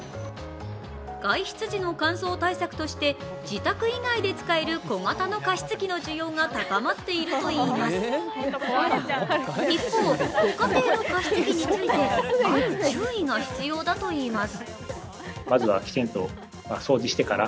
外出時の乾燥対策として自宅以外で使える小型の加湿器の需要が高まっているといいます一方、ご家庭の加湿器についてある注意が必要だといいます。